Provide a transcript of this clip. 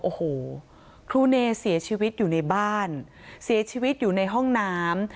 โอ้โหครูเนเสียชีวิตอยู่ในบ้านเสียชีวิตอยู่ในห้องน้ำ